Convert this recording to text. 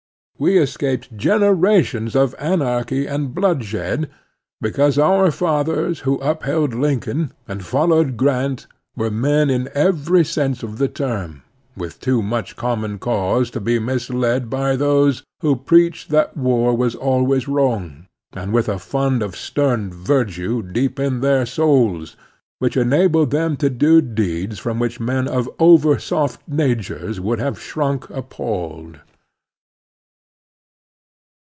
We escaped generations of anarchy and bloodshed, because our fathers who upheld Lincoln and followed Grant were men in every sense of the term, with too much common sense to be misled by those who preached that war was alwajrs wrong, and with a fund of stem virtue deep in their souls which enabled them to do deeds from 30 The Strenuous Life which men of over soft nattires would have shrunk appalled.